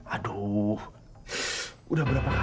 aduh udah berapa kali is